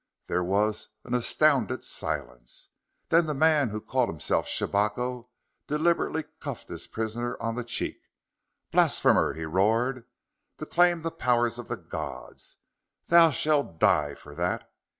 There was an astounded silence. Then the man who called himself Shabako deliberately cuffed his prisoner on the cheek. "Blasphemer!" he roared. "To claim the powers of the gods! Thou shall die for that!